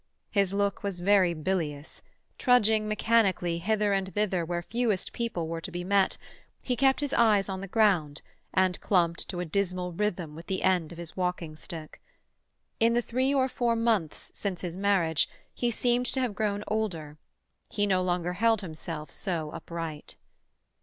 His look was very bilious; trudging mechanically hither and thither where fewest people were to be met, he kept his eyes on the ground, and clumped to a dismal rhythm with the end of his walking stick. In the three or four months since his marriage, he seemed to have grown older; he no longer held himself so upright.